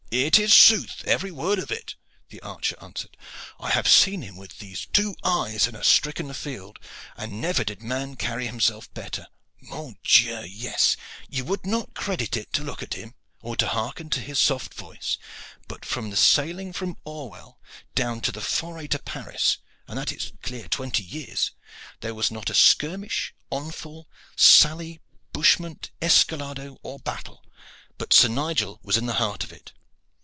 "It is sooth, every word of it," the archer answered. "I have seen him with these two eyes in a stricken field, and never did man carry himself better. Mon Dieu! yes, ye would not credit it to look at him, or to hearken to his soft voice, but from the sailing from Orwell down to the foray to Paris, and that is clear twenty years, there was not a skirmish, onfall, sally, bushment, escalado or battle, but Sir Nigel was in the heart of it.